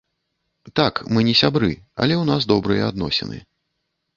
Так, мы не сябры, але ў нас добрыя адносіны.